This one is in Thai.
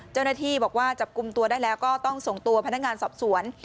เจ้าหน้าที่บอกว่าจับกลุ่มตัวได้แล้วก็ต้องส่งตัวพนักงานสอบสวน